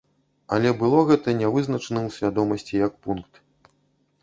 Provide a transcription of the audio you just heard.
Але было гэта нявызначаным у свядомасці, як пункт.